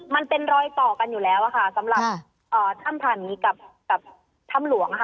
มันเป็นรอยต่อกันอยู่แล้วค่ะสำหรับถ้ำผันกับถ้ำหลวงค่ะ